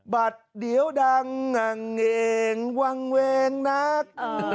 บัตรเดี๋ยวดังงังเองวางเวงนัก